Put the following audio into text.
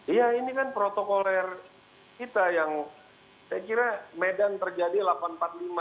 iya ini kan protokoler kita yang saya kira medan terjadi delapan ratus empat puluh lima